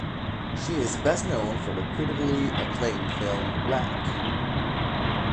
She is best known for the critically acclaimed film "Black".